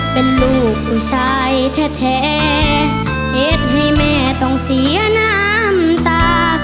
เป็นลูกผู้ชายแท้เหตุให้แม่ต้องเสียน้ำตา